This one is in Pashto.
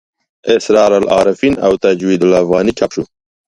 اسرار العارفین او تجوید الافغاني چاپ شو.